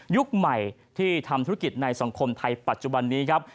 ใหม่ที่ทำธุรกิจในสังคมไทยปัจจุบันนี้ครับ